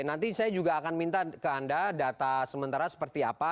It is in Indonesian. nanti saya juga akan minta ke anda data sementara seperti apa